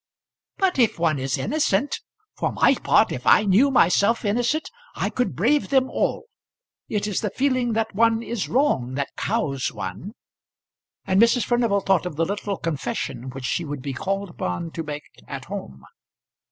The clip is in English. "But if one is innocent! For my part, if I knew myself innocent I could brave them all. It is the feeling that one is wrong that cows one." And Mrs. Furnival thought of the little confession which she would be called upon to make at home.